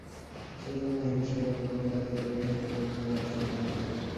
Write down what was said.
সেজন্য হিন্দুর সহিত অন্য কোন জাতিরই ঐ বিষয়ে তুলনা করাটা সম্পূর্ণ ভুল।